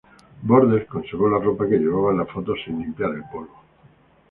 Borders conservó la ropa que llevaba en la foto, sin limpiar el polvo.